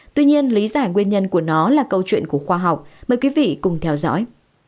tuy nhiên lý giải nguyên nhân của nó là câu chuyện của khoa học mời quý vị cùng theo dõi